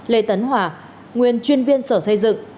lê tấn hòa nguyên chuyên viên sở xây dựng